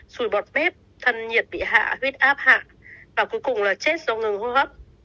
sùi bọt pép thân nhiệt bị hạ huyết áp hạ và cuối cùng là chết do ngừng hô hấp